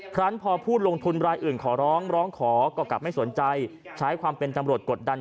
ครั้งพอผู้ลงทุนรายอื่นขอร้องร้องขอก็กลับไม่สนใจใช้ความเป็นตำรวจกดดัน